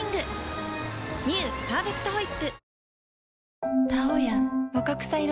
「パーフェクトホイップ」